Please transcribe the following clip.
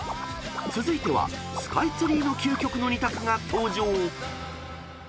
［続いてはスカイツリーの究極の二択が登場］